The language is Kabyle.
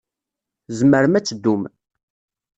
Tzemrem ad teddum.